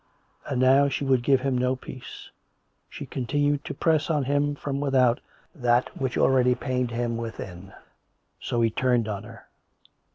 And now she would give him no peace; she continued to press on him from without that which already pained him within; so he turned on her.